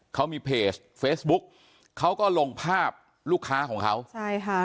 เขามีเพจเฟซบุ๊กเขาก็ลงภาพลูกค้าของเขาใช่ค่ะ